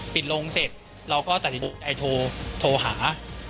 ปิดลงเสร็จเราก็ตัดอิโทรโทรหา